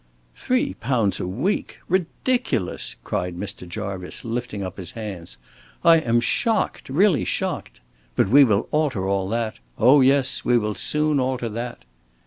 "Three pounds a week. Ridiculous!" cried Mr. Jarvice, lifting up his hands. "I am shocked, really shocked. But we will alter all that. Oh yes, we will soon alter that."